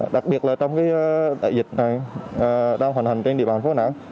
đặc biệt là trong cái đại dịch này đang hoàn hành trên địa bàn phố đà nẵng